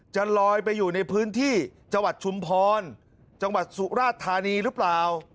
จะลอยไปอยู่ในพื้นที่จังหวัดชุมพรจังหวัดสุราชธานีหรือเปล่า